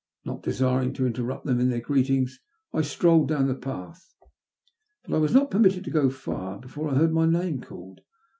Not desiring to interrupt them in their greetings I strolled down the path. But I was not permitted to go far before I heard my name called.